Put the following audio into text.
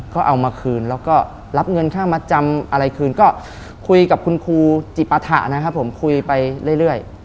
ก็เอามาคืนแล้วก็รับเงินค่ามาจำอะไรคืนก็คุยกับคุณครูจิปฐะนะครับผมคุยไปเรื่อย